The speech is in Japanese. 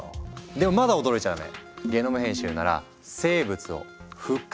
でもまだ驚いちゃダメ。